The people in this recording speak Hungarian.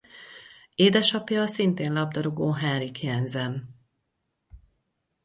Édesapja a szintén labdarúgó Henrik Jensen.